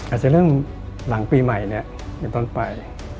อาจจะเรื่องหลังปีใหม่เนี่ย